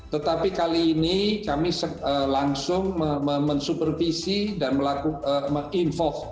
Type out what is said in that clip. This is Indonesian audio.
tetapi kali ini kami langsung mensupervisi dan melakukan men info